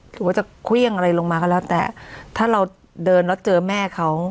หรือว่าจะเครื่องอะไรลงมาก็แล้วแต่ถ้าเราเดินแล้วเจอแม่เขา